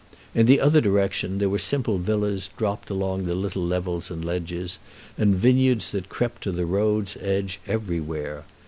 In the other direction there were simple villas dropped along the little levels and ledges, and vineyards that crept to the road's edge everywhere.